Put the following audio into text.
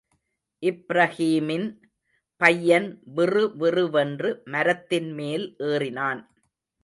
இப்ரஹீமின் பையன் விறுவிறுவென்று மரத்தின் மேல் ஏறினான்.